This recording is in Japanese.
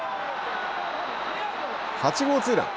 ８号ツーラン。